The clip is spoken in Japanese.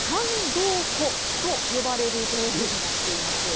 燗銅壺と呼ばれる道具になっています。